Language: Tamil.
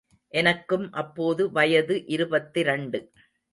எனக்கும் அப்போது வயது இருபத்திரண்டு.